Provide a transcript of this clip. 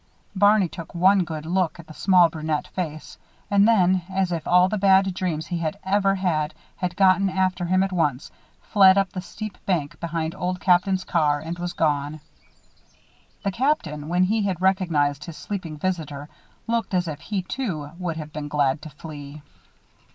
Barney took one good look at the small, brunette face; and then, as if all the bad dreams he had ever had, had gotten after him at once, fled up the steep bank behind Old Captain's car and was gone. The Captain, when he had recognized his sleeping visitor, looked as if he, too, would have been glad to flee.